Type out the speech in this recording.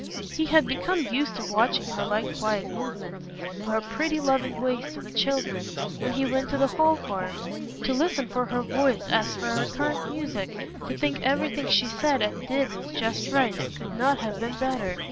He had become used to watching her light quiet movements, her pretty loving ways to the children, when he went to the Hall Farm; to listen for her voice as for a recurrent music; to think everything she said and did was just right, and could not have been better.